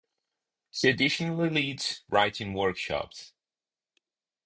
She additionally leads writing workshops.